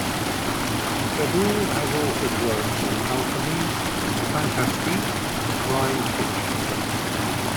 Sadoul has authored works on alchemy, the fantastique and crime fiction.